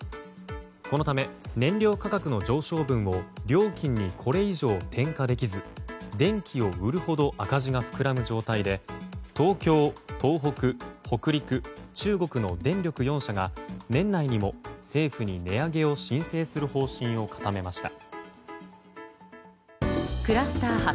このため、燃料価格の上昇分を料金にこれ以上転嫁できず電気を売るほど赤字が膨らむ状態で東京、東北、北陸、中国の電力４社が年内にも政府に値上げを申請する方針を固めました。